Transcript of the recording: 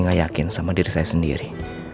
gak yakin sama diri saya sendiri